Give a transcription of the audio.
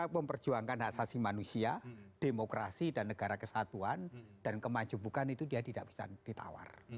memperjuangkan hak asasi manusia demokrasi dan negara kesatuan dan kemajubukan itu dia tidak bisa ditawar